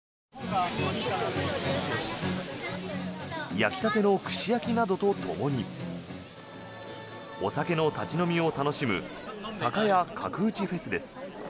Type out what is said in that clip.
焼きたての串焼きなどとともにお酒の立ち飲みを楽しむ酒屋角打ちフェスです。